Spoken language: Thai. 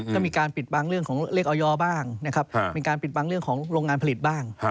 ก็มีการปิดบังเรื่องของเลขออยบ้างนะครับมีการปิดบังเรื่องของโรงงานผลิตบ้าง